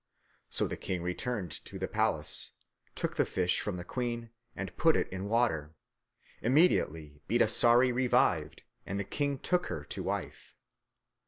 So the king returned to the palace, took the fish from the queen, and put it in water. Immediately Bidasari revived, and the king took her to wife.